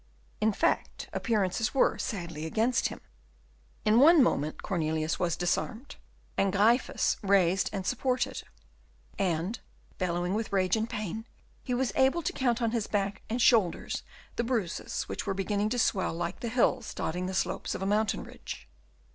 In fact, appearances were sadly against him. In one moment Cornelius was disarmed, and Gryphus raised and supported; and, bellowing with rage and pain, he was able to count on his back and shoulders the bruises which were beginning to swell like the hills dotting the slopes of a mountain ridge.